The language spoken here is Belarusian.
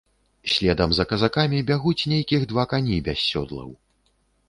Следам за казакамі бягуць нейкіх два кані без сёдлаў.